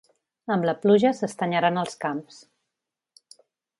Amb la pluja s'estanyaran els camps.